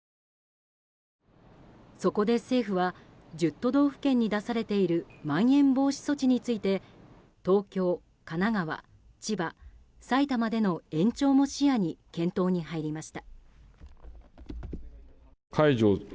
そこで政府は１０都道府県に出されているまん延防止措置について東京、神奈川、千葉、埼玉での延長も視野に検討に入りました。